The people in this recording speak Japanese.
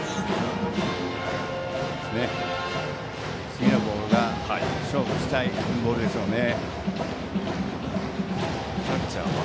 次のボールが勝負したいボールでしょうね。